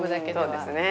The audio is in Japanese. そうですね。